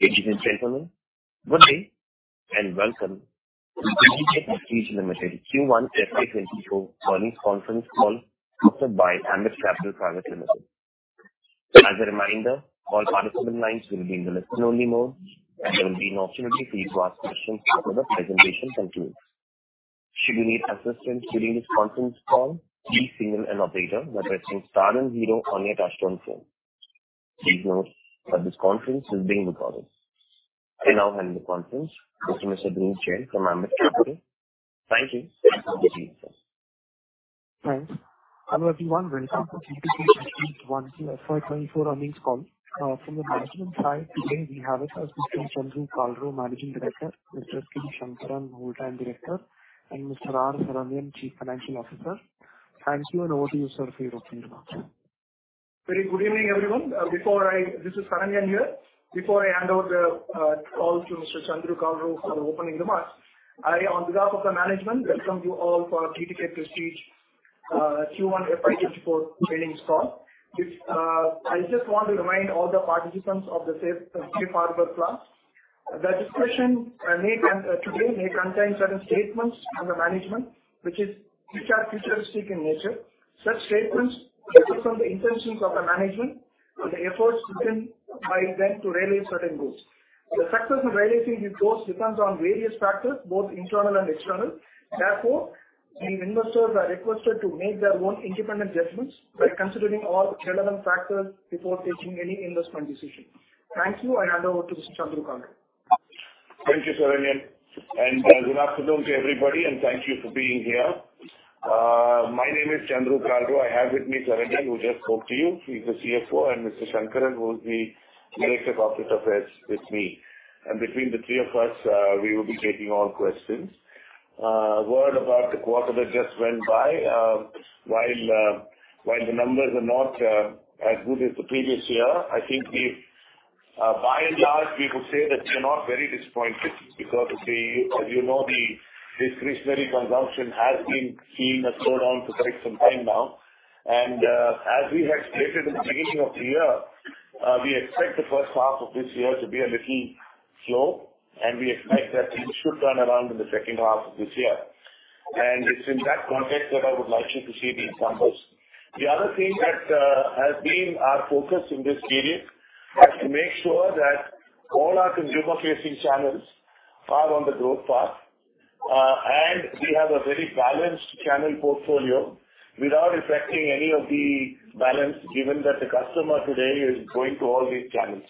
Thank you for joining me. Good day and welcome to TTK Prestige Limited Q1 FY 2024 Earnings conference call hosted by Ambit Capital Private Limited. As a reminder, all participant lines will be in the listen-only mode, and there will be an opportunity for you to ask questions before the presentation concludes. Should you need assistance during this conference call, please press star and zero or pound touchtone. Please note that this conference is being recorded. I now hand the conference over to Mr. Dhruv Jain from Ambit Capital. Thank you, Mr. Dhruv Jain. Hi. Hello, everyone. Welcome to TTK Prestige Q1 FY 2024 earnings call. From the management side, today we have with us Mr. Chandru Kalro, Managing Director, Mr. K. Shankaran, Whole Time Director, and Mr. R. Saranyan, Chief Financial Officer. Thank you, and over to you, sir, for your opening remarks. Very good evening, everyone. This is Saranyan here. Before I hand over the call to Mr. Chandru Kalro for the opening remarks, I, on behalf of the management, welcome you all for TTK Prestige Q1 FY24 earnings call. I just want to remind all the participants of the safe harbor statement that this session today may contain certain statements from the management, which are futuristic in nature. Such statements reflect the intentions of the management and the efforts taken by them to realize certain goals. The success of realizing these goals depends on various factors, both internal and external. Therefore, the investors are requested to make their own independent judgments by considering all relevant factors before taking any investment decision. Thank you, and hand over to Mr. Chandru Kalro. Thank you, Saranyan. And good afternoon to everybody, and thank you for being here. My name is Chandru Kalro. I have with me Saranyan, who just spoke to you. He's the CFO, and Mr. Shankaran will be the Director of Corporate Affairs with me. And between the three of us, we will be taking all questions. A word about the quarter that just went by. While the numbers are not as good as the previous year, I think, by and large, we would say that we are not very disappointed because, as you know, discretionary consumption has been seen as slowed down for quite some time now. And as we had stated at the beginning of the year, we expect the first half of this year to be a little slow, and we expect that it should turn around in the second half of this year. It's in that context that I would like you to see these numbers. The other thing that has been our focus in this period is to make sure that all our consumer-facing channels are on the growth path, and we have a very balanced channel portfolio without affecting any of the balance, given that the customer today is going to all these channels.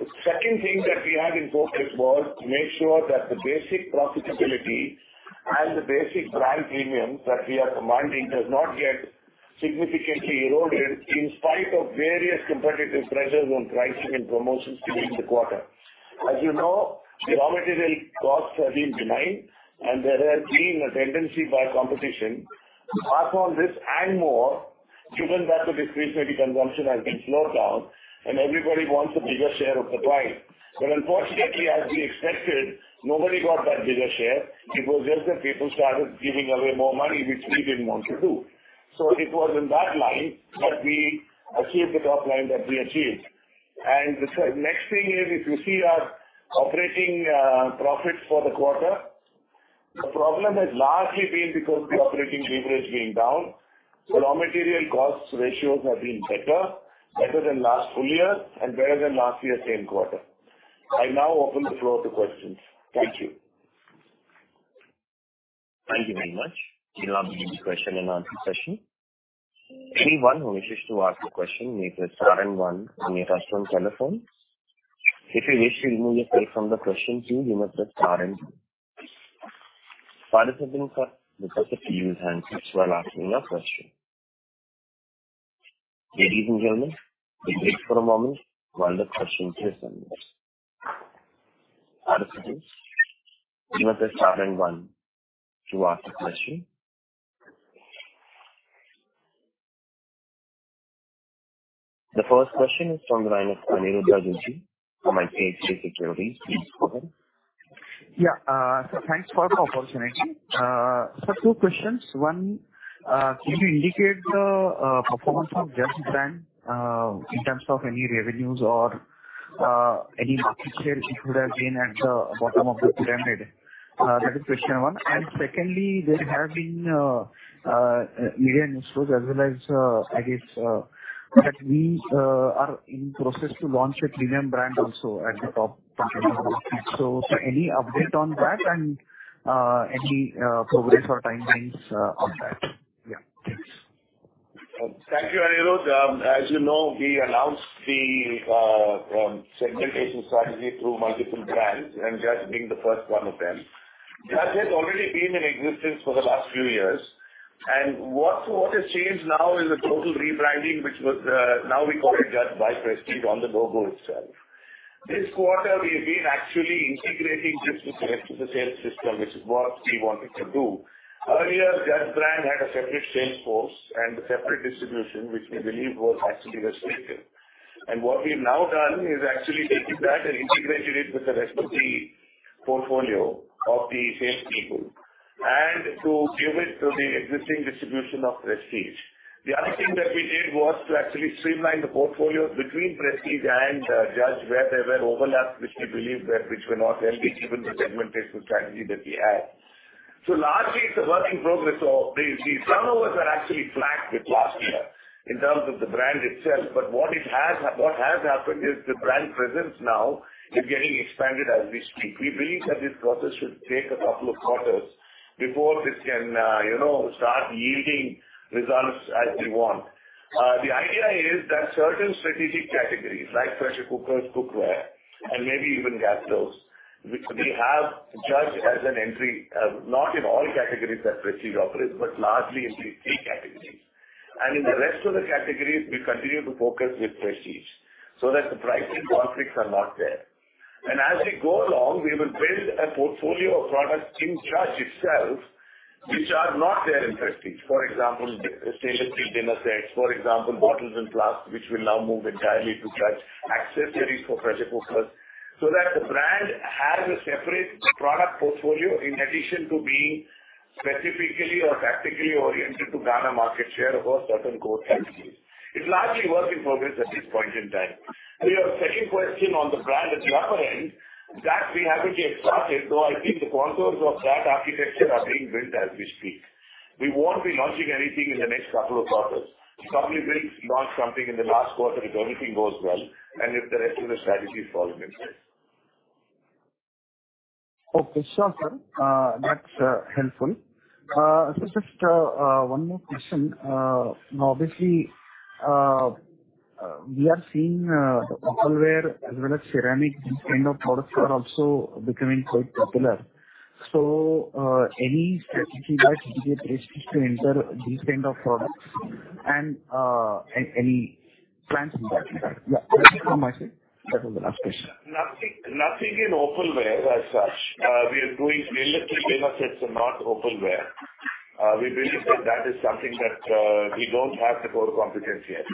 The second thing that we have in focus was to make sure that the basic profitability and the basic brand premium that we are commanding does not get significantly eroded in spite of various competitive pressures on pricing and promotions during the quarter. As you know, raw material costs have been benign, and there has been a tendency by competition to pass on this and more, given that the discretionary consumption has been slowed down, and everybody wants a bigger share of the pie. But unfortunately, as we expected, nobody got that bigger share. It was just that people started giving away more money, which we didn't want to do. So it was in that line that we achieved the top line that we achieved. And the next thing is, if you see our operating profit for the quarter, the problem has largely been because of the operating leverage being down. The raw material cost ratios have been better, better than last full year and better than last year's same quarter. I now open the floor to questions. Thank you. Thank you very much. We'll now begin the question-and-answer session. Anyone who wishes to ask a question may press star and one on your touch-tone telephone. If you wish to remove yourself from the question queue, you may press star and two. Participants are requested to use handset while asking a question. Ladies and gentlemen, please wait for a moment while the questions are sent. Participants, you may press star and one to ask a question. The first question is from the line of Aniruddha Joshi from ICICI Securities. Please go ahead. Yeah. So thanks for the opportunity. So two questions. One, can you indicate the performance of Judge brand in terms of any revenues or any market share it would have been at the bottom of the pyramid? That is question one. And secondly, there have been media news as well as, I guess, that we are in the process to launch a premium brand also at the top of the pyramid. So any update on that and any progress or timelines on that? Yeah. Thanks. Thank you, Aniruddha. As you know, we announced the segmentation strategy through multiple brands, and Judge being the first one of them. Judge has already been in existence for the last few years. And what has changed now is the total rebranding, which now we call it Judge by Prestige on the logo itself. This quarter, we have been actually integrating this with the same system, which is what we wanted to do. Earlier, Judge brand had a separate sales force and a separate distribution, which we believe was actually restricted. And what we've now done is actually taking that and integrating it with the rest of the portfolio of the salespeople and to give it to the existing distribution of Prestige. The other thing that we did was to actually streamline the portfolio between Prestige and Judge where there were overlaps, which we believe were not healthy given the segmentation strategy that we had. So largely, it's a work in progress. So these turnovers are actually flagged with last year in terms of the brand itself. But what has happened is the brand presence now is getting expanded as we speak. We believe that this process should take a couple of quarters before this can start yielding results as we want. The idea is that certain strategic categories like pressure cookers, cookware, and maybe even gas stoves, which we have Judge as an entry, not in all categories that Prestige operates, but largely in these three categories. And in the rest of the categories, we continue to focus with Prestige so that the pricing conflicts are not there. As we go along, we will build a portfolio of products in Judge itself, which are not there in Prestige. For example, stainless steel dinner sets. For example, bottles and glass, which will now move entirely to Judge accessories for pressure cookers so that the brand has a separate product portfolio in addition to being specifically or tactically oriented to gain market share or certain growth indicators. It's largely a work in progress at this point in time. So your second question on the brand at the upper end, that we haven't yet started, though I think the contours of that architecture are being built as we speak. We won't be launching anything in the next couple of quarters. We probably will launch something in the last quarter if everything goes well and if the rest of the strategy falls in place. Okay. Sure, sir. That's helpful. So just one more question. Obviously, we are seeing the opalware as well as ceramic, these kind of products are also becoming quite popular. So any strategy by TTK Prestige to enter these kind of products and any plans in that regard? Yeah. That's from my side. That was the last question. Nothing in opalware as such. We are doing relatively little sets and not opalware. We believe that that is something that we don't have the core competence yet.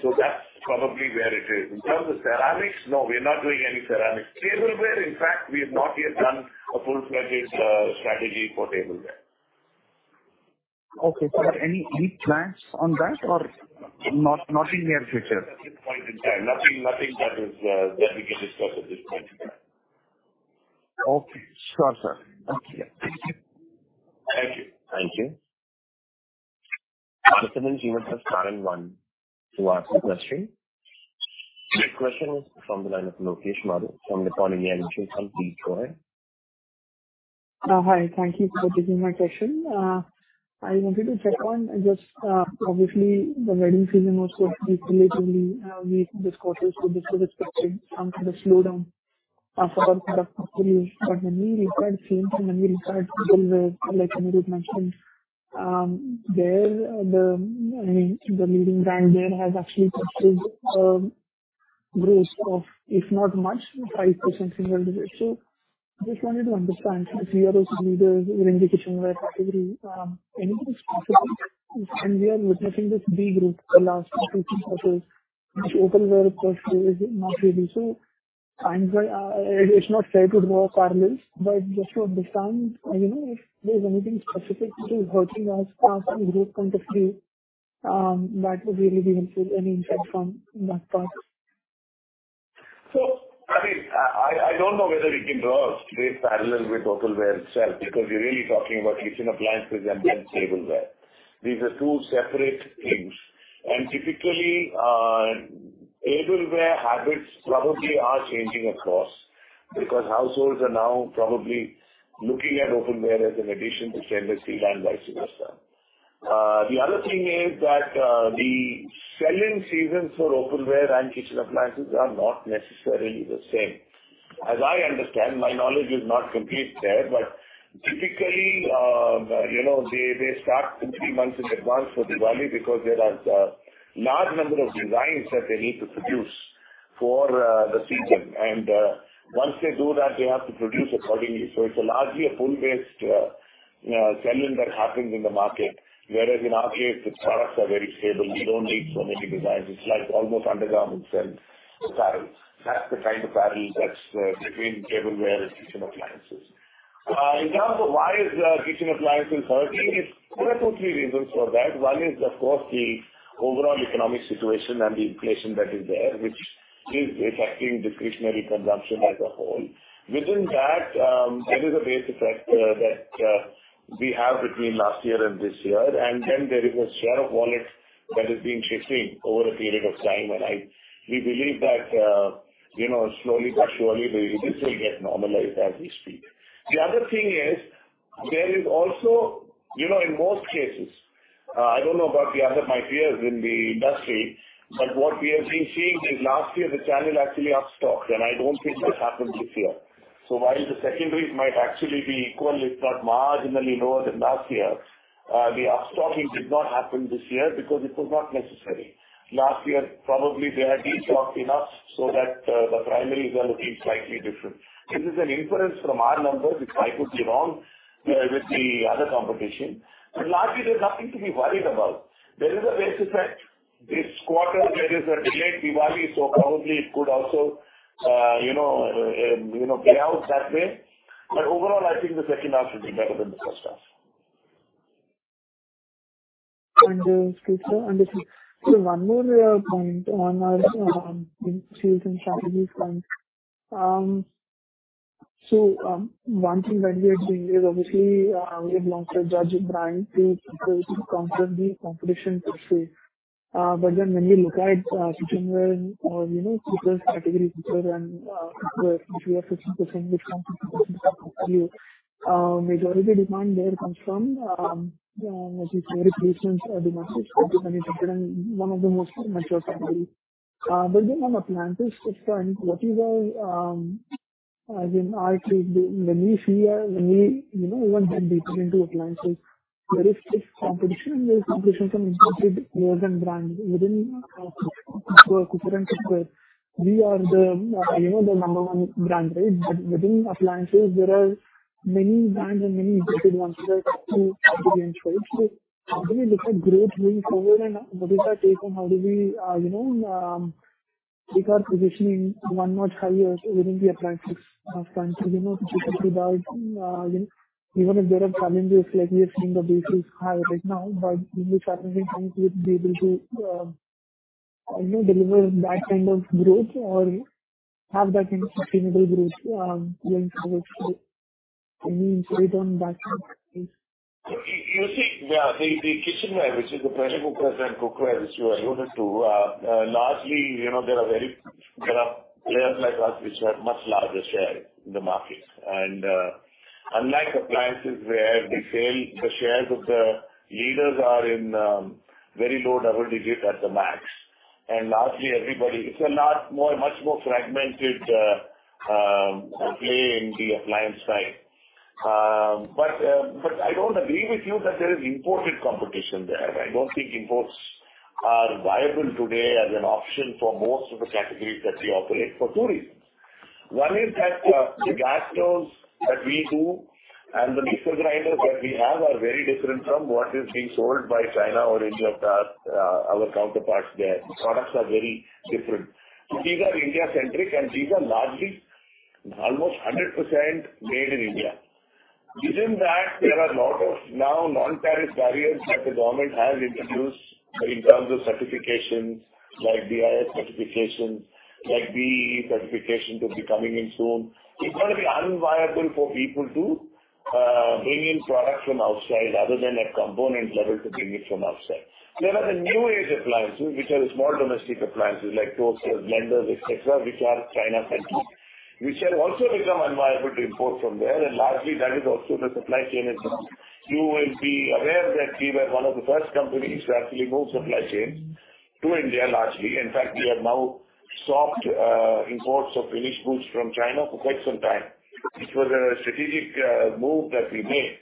So that's probably where it is. In terms of ceramics, no, we're not doing any ceramics. Tableware, in fact, we have not yet done a full-fledged strategy for tableware. Okay, so any plans on that or nothing near future? At this point in time, nothing that we can discuss at this point in time. Okay. Sure, sir. Thank you. Thank you. Thank you. Participants, you may press star and one to ask a question. Next question is from the line of Lokesh Maru from Nippon India Mutual Fund. Please go ahead. Hi. Thank you for taking my question. I wanted to check on just, obviously, the wedding season was relatively weak this quarter, so this expected some kind of slowdown for our product portfolio. But when we look at same thing, when we look at tableware, like Aniruddha mentioned, I mean, the leading brand there has actually pursued growth of, if not much, 5% single-digit. So I just wanted to understand, if we are also leaders in the kitchenware category, anything specific? And we are witnessing this regroup the last couple of quarters, which opalware portfolio is not really. So it's not fair to draw parallels, but just to understand, if there's anything specific which is hurting us from a growth point of view, that would really be helpful, any insight from that part. I mean, I don't know whether we can draw a straight parallel with opalware itself because we're really talking about kitchen appliances and then tableware. These are two separate things. And typically, tableware habits probably are changing across because households are now probably looking at opalware as an addition to stainless steel and vice versa. The other thing is that the selling seasons for opalware and kitchen appliances are not necessarily the same. As I understand, my knowledge is not complete there, but typically, they start two or three months in advance for the value because there are a large number of designs that they need to produce for the season. And once they do that, they have to produce accordingly. So it's largely a pull-based selling that happens in the market, whereas in our case, the products are very stable. We don't need so many designs. It's like almost underground itself. Parallel. That's the kind of parallel that's between tableware and kitchen appliances. In terms of why is kitchen appliances hurting, there are two or three reasons for that. One is, of course, the overall economic situation and the inflation that is there, which is affecting discretionary consumption as a whole. Within that, there is a base effect that we have between last year and this year. And then there is a share of wallet that has been shifting over a period of time. And we believe that slowly but surely, this will get normalized as we speak. The other thing is there is also, in most cases, I don't know about the other my peers in the industry, but what we have been seeing is last year, the channel actually up stocked, and I don't think that happened this year. So while the secondary might actually be equal, if not marginally lower than last year, the up stocking did not happen this year because it was not necessary. Last year, probably they had restocked enough so that the primaries are looking slightly different. This is an inference from our numbers. I could be wrong with the other competition. But largely, there's nothing to be worried about. There is a base effect. This quarter, there is a delayed Diwali, so probably it could also play out that way. But overall, I think the second half should be better than the first half. Speaking of, one more point on our sales and strategy front. One thing that we are doing is, obviously, we have launched a Judge brand to conquer the competition per se. When we look at kitchenware or cookware category, cookware, which we have 15%, which comes to 2% of the portfolio, majority demand there comes from, as you say, replacements are demanded. It is going to be manufactured in one of the most mature categories. On appliances, just trying what is our, as in our case, when we even get deeper into appliances, there is competition, and there is competition from imported ware and brands. Within cookware, we are the number one brand, right? Within appliances, there are many brands and many imported ones that do have to be ensured. So how do we look at growth going forward, and what is our take on how do we take our positioning one notch higher within the appliance sector to keep up with our? Even if there are challenges, like we have seen the base is high right now, but in the challenging times, we would be able to deliver that kind of growth or have that kind of sustainable growth going forward. Any insight on that? You see, yeah, the kitchenware, which is the pressure cookers and cookware, which you are able to largely. There are very few players like us which have much larger shares in the market. Unlike appliances, where the shares of the leaders are in very low double digit at the max. Largely, everybody, it's a much more fragmented play in the appliance side. But I don't agree with you that there is imported competition there. I don't think imports are viable today as an option for most of the categories that we operate for two reasons. One is that the gas stoves that we do and the mixer grinders that we have are very different from what is being sold by China or any of our counterparts there. The products are very different. So these are India-centric, and these are largely almost 100% made in India. Within that, there are a lot of now non-tariff barriers that the government has introduced in terms of certifications, like BIS certifications, like BEE certification to be coming in soon. It's going to be unviable for people to bring in products from outside other than at component level to bring it from outside. There are the new age appliances, which are the small domestic appliances like toasters, blenders, etc., which are China-centric, which have also become unviable to import from there. And largely, that is also the supply chain issue. You will be aware that we were one of the first companies to actually move supply chains to India, largely. In fact, we have now stopped imports of finished goods from China for quite some time, which was a strategic move that we made.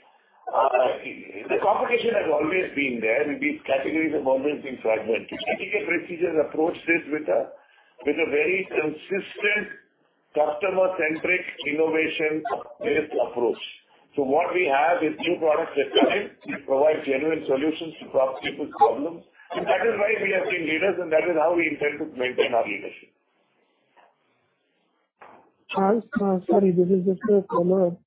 The competition has always been there. These categories have always been fragmented. TTK Prestige has approached this with a very consistent customer-centric innovation-based approach. So what we have is new products that come in, which provide genuine solutions to people's problems. And that is why we have been leaders, and that is how we intend to maintain our leadership. Sorry, this is just a follow-up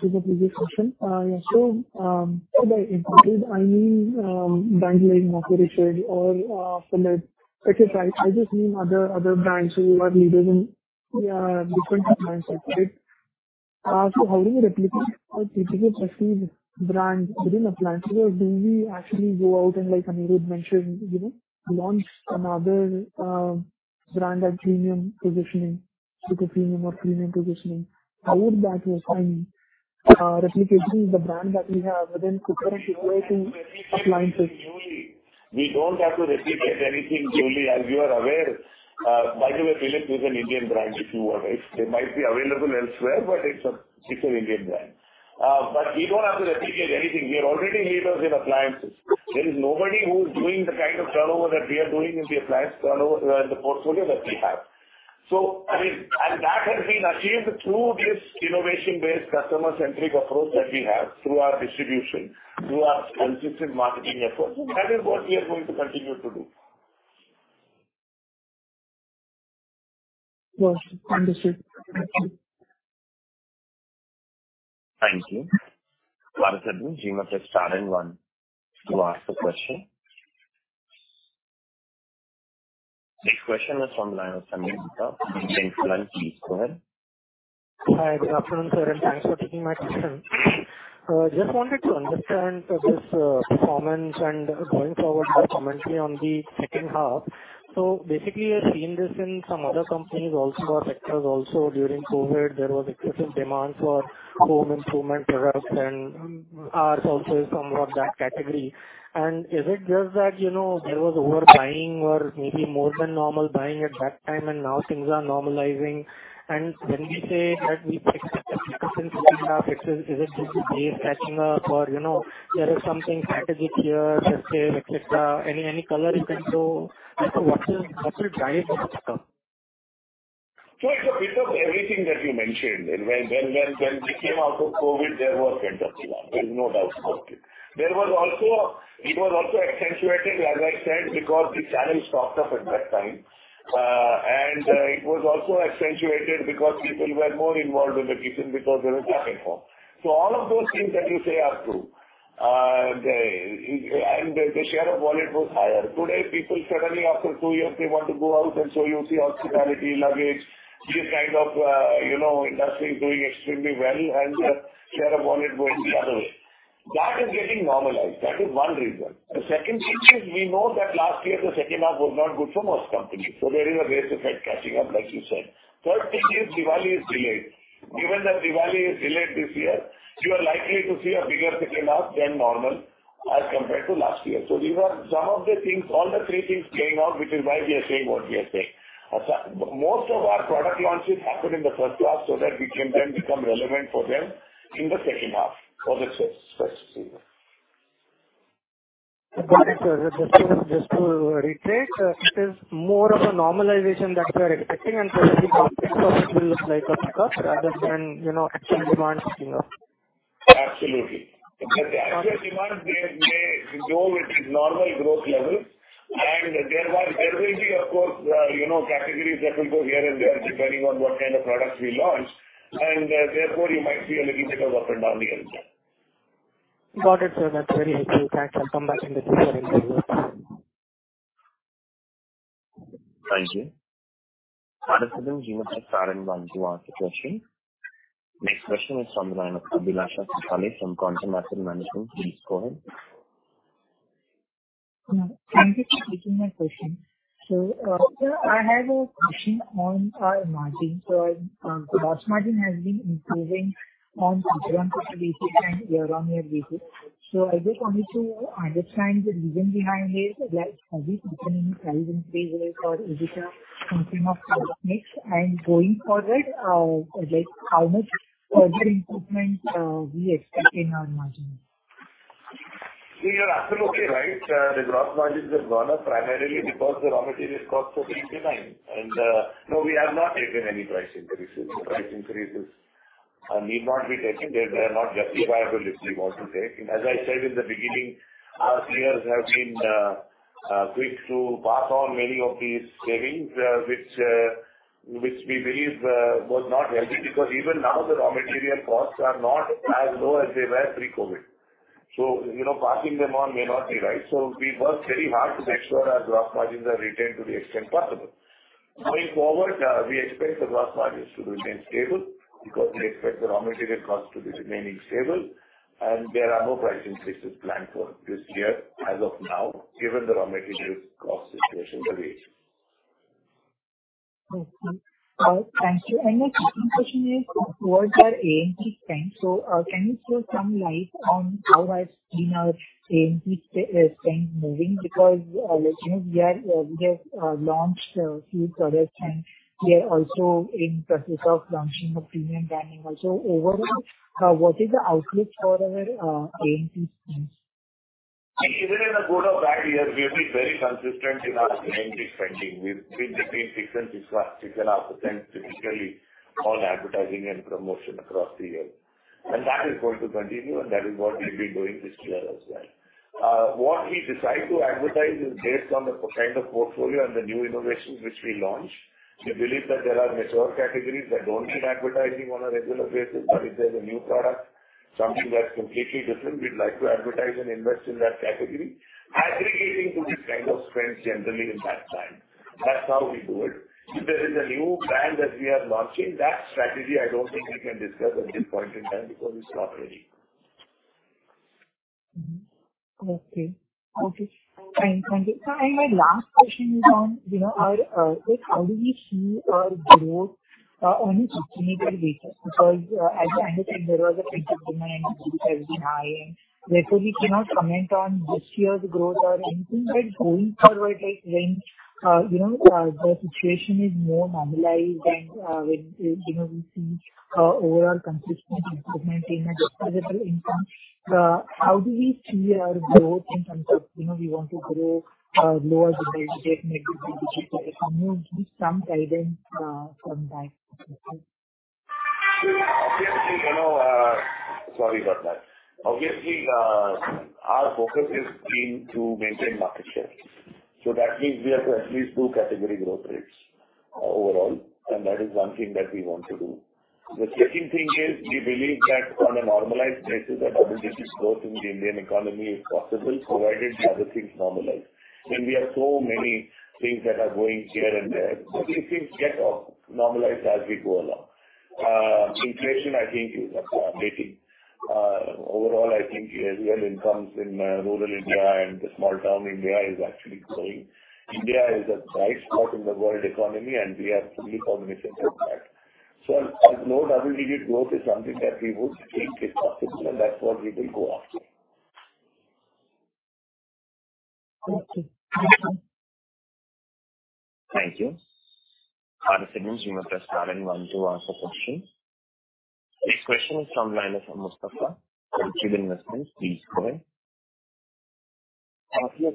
to the previous question. So by imported, I mean Morphy Richards or Philips. I just mean other brands who are leaders in different appliance markets. So how do we replicate TTK Prestige brand within appliances? Or do we actually go out and, like Aniruddha mentioned, launch another brand at premium positioning, super premium or premium positioning? How would that work, I mean, replicating the brand that we have within cookware and cookware to appliances? We don't have to replicate anything. Surely, as you are aware, by the way, Philips is an Indian brand, if you want to. It might be available elsewhere, but it's an Indian brand. But we don't have to replicate anything. We are already leaders in appliances. There is nobody who is doing the kind of turnover that we are doing in the appliance turnover in the portfolio that we have. So, I mean, and that has been achieved through this innovation-based customer-centric approach that we have through our distribution, through our consistent marketing efforts. That is what we are going to continue to do. Wonderful. Thank you. Thank you. She must press star and one to ask the question. Next question is from the line of Sameer Gupta from IIFL. Please go ahead. Hi. Good afternoon, sir, and thanks for taking my question. Just wanted to understand this performance and going forward, the commentary on the second half. So basically, I've seen this in some other companies also, or sectors also. During COVID, there was excessive demand for home improvement products, and ours also is somewhat that category. And is it just that there was overbuying or maybe more than normal buying at that time, and now things are normalizing? And when we say that we expect the pickup in the second half, is it just the base catching up, or there is something strategic here, just sales, etc.? Any color you can throw? What will drive the pickup? So it's a pickup, everything that you mentioned. When we came out of COVID, there was pent-up demand. There is no doubt about it. It was also accentuated, as I said, because the channel stocked up at that time. And it was also accentuated because people were more involved in the kitchen because there was nothing for. So all of those things that you say are true. And the share of wallet was higher. Today, people suddenly, after two years, they want to go out, and so you see hospitality, luggage, these kind of industries doing extremely well, and the share of wallet going the other way. That is getting normalized. That is one reason. The second thing is we know that last year, the second half was not good for most companies. So there is a base effect catching up, like you said. Third thing is Diwali is delayed. Given that Diwali is delayed this year, you are likely to see a bigger second half than normal as compared to last year. So these are some of the things, all the three things playing out, which is why we are saying what we are saying. Most of our product launches happen in the first half so that we can then become relevant for them in the second half for the first season. Got it. Just to reiterate, it is more of a normalization that we are expecting, and so maybe one thing for it will look like a pickup rather than actual demand picking up? Absolutely. Actual demand may go with its normal growth level. And there will be, of course, categories that will go here and there depending on what kind of products we launch. And therefore, you might see a little bit of up and down here and there. Got it, sir. That's very helpful. Thanks. I'll come back in the future and see you. Thank you. What is the name? She must have star one to ask the question. Next question is from the line of Abhilasha Satale from Quantum Asset Management. Please go ahead. Thank you for taking my question. So I have a question on margin. So gross margin has been improving on quarter-on-quarter basis and year-on-year basis. So I just wanted to understand the reason behind this, like have we seen any sales increases or is it a consumer product mix? And going forward, how much further improvement do we expect in our margin? You're absolutely right. The gross margin has gone up primarily because the raw material costs have been declined. And no, we have not taken any price increases. The price increases need not be taken. They are not justifiable if we want to take. And as I said in the beginning, our peers have been quick to pass on many of these savings, which we believe was not healthy because even now the raw material costs are not as low as they were pre-COVID. So passing them on may not be right. So we work very hard to make sure our gross margins are retained to the extent possible. Going forward, we expect the gross margins to remain stable because we expect the raw material costs to be remaining stable. There are no price increases planned for this year as of now, given the raw material cost situation that we have. Okay. Thank you, and my second question is towards our A&P spend. So, can you throw some light on how has been our A&P spend moving? Because we have launched a few products, and we are also in the process of launching a premium branding. So overall, what is the outlook for our A&P spend? Either in a good or bad year, we have been very consistent in our A&P spending. We've been between 6%-6.5% typically on advertising and promotion across the year. And that is going to continue, and that is what we've been doing this year as well. What we decide to advertise is based on the kind of portfolio and the new innovations which we launch. We believe that there are mature categories that don't need advertising on a regular basis. But if there's a new product, something that's completely different, we'd like to advertise and invest in that category, aggregating to this kind of spend generally in that time. That's how we do it. If there is a new brand that we are launching, that strategy, I don't think we can discuss at this point in time because it's not ready. Okay. Okay. Thank you. And my last question is on how do we see our growth on a consumer basis? Because as you understand, there was a pent-up demand, which has been high, and therefore we cannot comment on this year's growth or anything. But going forward, when the situation is more normalized and when we see overall consistent improvement in the disposable income, how do we see our growth in terms of we want to grow low double-digit, get mid double-digit, some guidance on that? Obviously, sorry about that. Obviously, our focus is to maintain market share. So that means we have to at least do category growth rates overall, and that is one thing that we want to do. The second thing is we believe that on a normalized basis, a double-digit growth in the Indian economy is possible provided the other things normalize. And we have so many things that are going here and there. But these things get normalized as we go along. Inflation, I think, is updated. Overall, I think real incomes in rural India and the small-town India is actually growing. India is a bright spot in the world economy, and we are fully cognizant of that. So a low double-digit growth is something that we would think is possible, and that's what we will go after. Okay. Thank you. Thank you. What is the name? She must have star one to answer question. Next question is from the line of Mustafa Khedwala from Cube Investments. Please go ahead. Thankful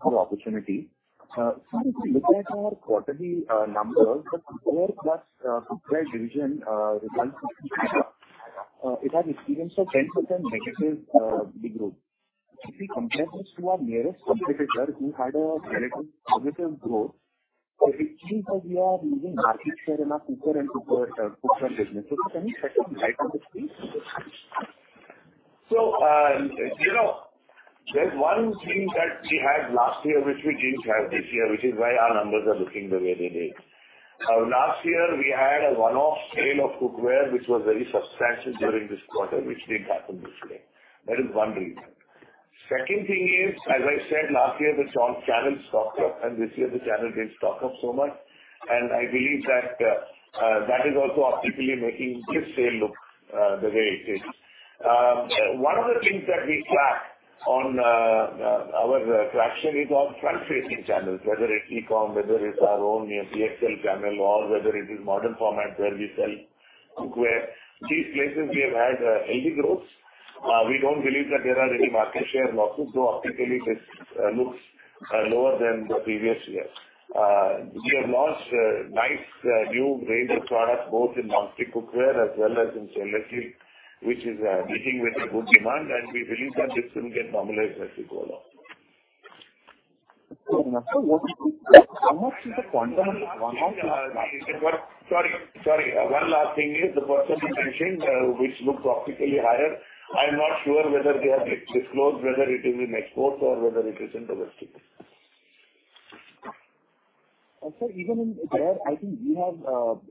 for the opportunity, if we look at our quarterly numbers, the cooker plus cookware division results that we add up, it has experienced a -10% growth. If we compare this to our nearest competitor who had a relatively positive growth, is it true that we are losing market share in our cookware and cookware business? So can you shed some light on this, please? So there's one thing that we had last year, which we didn't have this year, which is why our numbers are looking the way they did. Last year, we had a one-off sale of cookware, which was very substantial during this quarter, which didn't happen this year. That is one reason. Second thing is, as I said, last year, the channel stocked up, and this year, the channel didn't stock up so much. And I believe that that is also optically making this sale look the way it is. One of the things that we track on our traction is on front-facing channels, whether it's e-com, whether it's our own Prestige Xclusive, or whether it is modern format where we sell cookware. These places, we have had healthy growth. We don't believe that there are any market share losses, though optically, this looks lower than the previous year. We have launched a nice new range of products, both in non-stick cookware as well as in stainless steel, which is meeting with the good demand, and we believe that this will get normalized as we go along. So what is the quantum of this one-off? Sorry. Sorry. One last thing is the provision mentioned, which looks optically higher. I'm not sure whether they have disclosed whether it is in exports or whether it is in domestic. And, sir, even in there, I think we have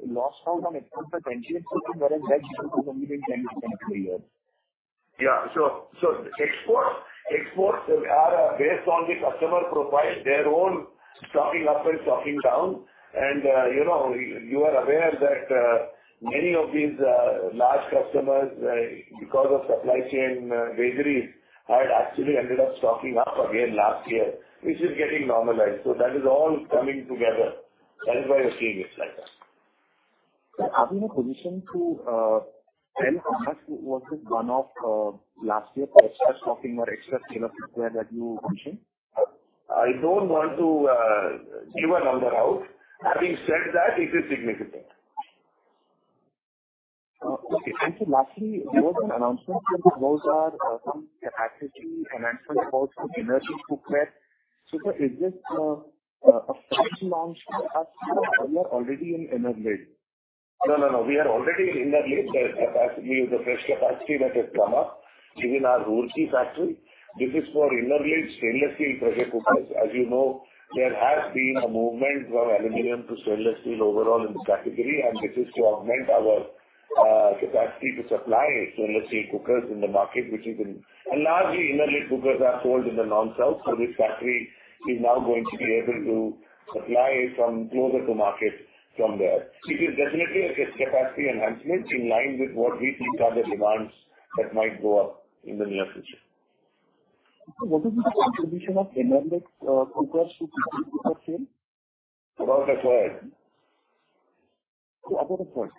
lost out on export potential, whereas that is only been 10% in a year. Yeah. So exports are based on the customer profile. They're all stocking up and stocking down. And you are aware that many of these large customers, because of supply chain vagaries, had actually ended up stocking up again last year, which is getting normalized. So that is all coming together. That is why we're seeing it like that. Sir, are we in a position to tell how much was this one-off last year for extra stocking or extra sale of cookware that you mentioned? I don't want to give a number out. Having said that, it is significant. Okay. Sir, lastly, there was an announcement sir, about some capacity enhancement about some inner-lid cookware. Sir, is this a fresh launch for us, or are we already in inner-lid? No, no, no. We are already in inner-lid. The capacity is a fresh capacity that has come up given our Roorkee factory. This is for inner-lid stainless steel pressure cookers. As you know, there has been a movement from aluminum to stainless steel overall in the category. And this is to augment our capacity to supply stainless steel cookers in the market, which is in and largely inner-lid cookers are sold in the non-South. So this factory is now going to be able to supply some closer to market from there. It is definitely a capacity enhancement in line with what we think are the demands that might go up in the near future. So what is the contribution of inner-lid cookers to cookware sale? About 1/3. About 1/3.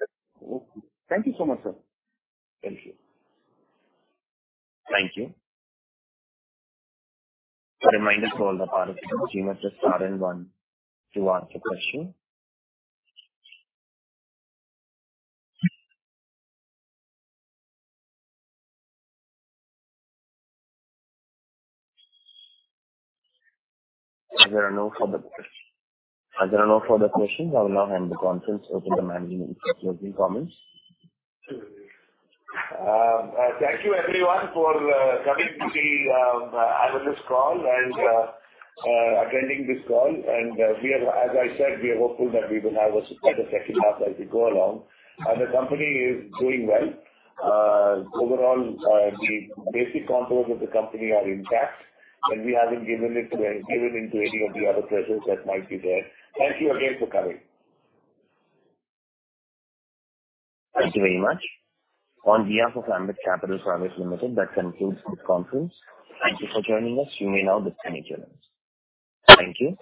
Okay. Thank you so much, sir. Thank you. Thank you. A reminder to all the participants who must press star one to ask a question. Is there no further question? I will now hand the conference over to the management for closing comments. Thank you, everyone, for coming to the analyst call and attending this call. And as I said, we are hopeful that we will have a second half as we go along. The company is doing well. Overall, the basic components of the company are intact, and we haven't given in to any of the other pressures that might be there. Thank you again for coming. Thank you very much. On behalf of Ambit Capital Private Limited, that concludes this conference. Thank you for joining us. You may now disconnect your lines. Thank you.